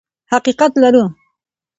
حقیقت لرو.